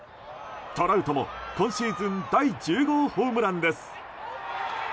トラウトも今シーズン第１０号ホームランです。